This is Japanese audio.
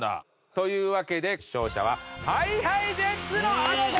というわけで勝者はＨｉＨｉＪｅｔｓの圧勝！